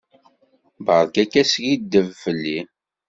Beṛkat askiddeb fell-i.